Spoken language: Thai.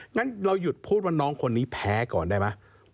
งั้นเราหยุดพูดว่าน้องคนนี้แพ้ก่อนได้ไหม